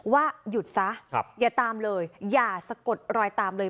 ว่าหยุดซะอย่าตามเลยอย่าสะกดรอยตามเลย